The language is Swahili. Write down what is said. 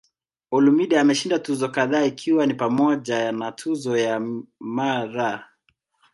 Olumide ameshinda tuzo kadhaa ikiwa ni pamoja na tuzo ya "Mr.